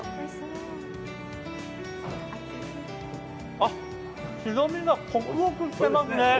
あっ、白身がほくほくしてますね。